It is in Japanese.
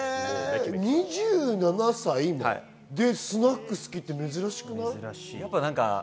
２７歳で、スナック好きって珍しくない？